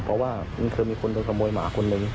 เพราะว่ามีคนตัวขโมยหมาคนนึง